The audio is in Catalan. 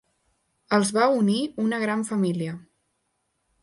Els va unir una gran família.